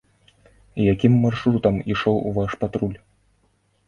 Якім маршрутам ішоў ваш патруль?